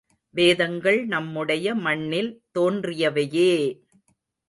வேதங்கள் நம்முடைய மண்ணில் தோன்றியவையே!